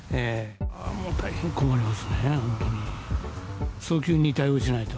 もう大変困りますね、本当に。